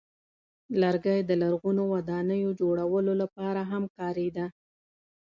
لرګی د لرغونو ودانیو جوړولو لپاره هم کارېده.